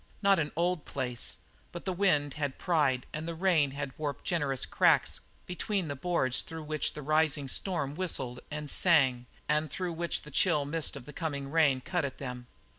Not an old place, but the wind had pried and the rain warped generous cracks between the boards through which the rising storm whistled and sang and through which the chill mist of the coming rain cut at them.